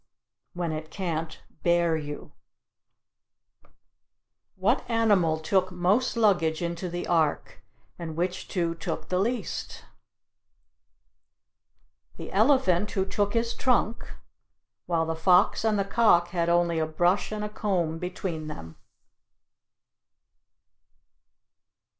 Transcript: When it can't bear you. What animal took most luggage into the Ark, and which two took the least? The elephant, who took his trunk, while the fox and the cock had only a brush and a comb between them.